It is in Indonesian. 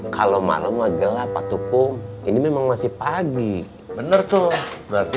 kalau malam lagi lapar tukung ini memang masih pagi bener tuh berarti